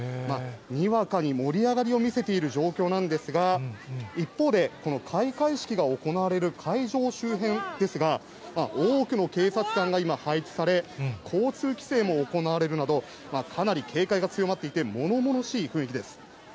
にわかに盛り上がりを見せている状況なんですが、一方で、この開会式が行われる会場周辺ですが、多くの警察官が今、配置され、交通規制も行われるなど、かなり警戒が強まっていて、ものものしい雰囲気です。